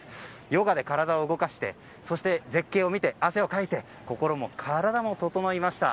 ヨガで体を動かして絶景を見て汗をかいて心も体も整いました。